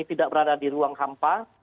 tidak berada di ruang hampa